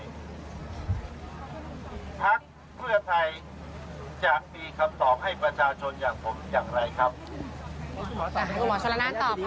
พักเพื่อไทยจะมีคำตอบให้ประชาชนอย่างผมอย่างไรครับ